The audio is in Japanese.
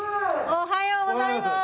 おはようございます！